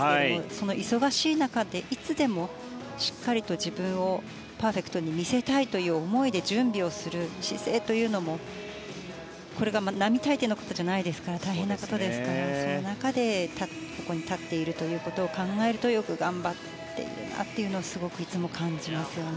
その忙しい中でいつでも、しっかりと自分をパーフェクトに見せたいという思いで準備をする姿勢というのも、これが並大抵のことじゃないですから大変なことですからその中で、ここに立っているということを考えるとよく頑張っているなとすごくいつも感じますね。